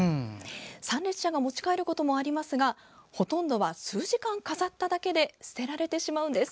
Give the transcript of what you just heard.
参列者が持ち帰ることもありますがほとんどは数時間飾っただけで捨てられてしまうんです。